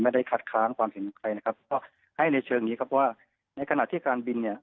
ไม่ได้คัดค้างความเห็นของใครนะครับก็ให้ในเชิงนี้ครับว่าในขณะที่การบินเนี่ย